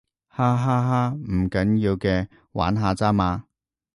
哈哈哈，唔緊要嘅，玩下咋嘛